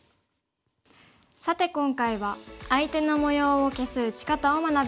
さて今回は相手の模様を消す打ち方を学びました。